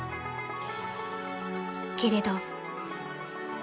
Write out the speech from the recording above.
［けれど］